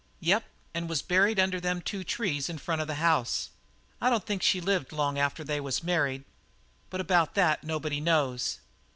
"Yep, and was buried under them two trees in front of the house. I don't think she lived long after they was married, but about that nobody knows.